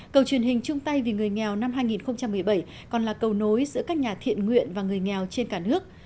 cầu truyền hình trung tây vì người nghèo năm hai nghìn một mươi bảy còn là cầu nối giữa các nhà thiện nguyện và người nghèo trên cả nước